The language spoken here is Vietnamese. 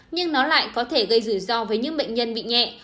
nhưng nó lại có thể gây rủi ro với những bệnh nhân bị nhẹ